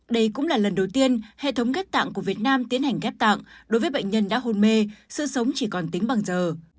đây cũng là lần đầu tiên hệ thống ghép tạng của việt nam tiến hành ghép tạng đối với bệnh nhân đã hôn mê sự sống chỉ còn tính bằng giờ